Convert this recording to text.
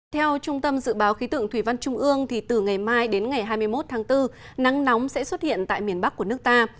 theo trung tâm dự báo khí tượng thủy văn trung ương từ ngày mai đến ngày hai mươi một tháng bốn nắng nóng sẽ xuất hiện tại miền bắc của nước ta